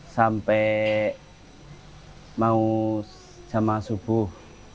sampai mau jamah subuh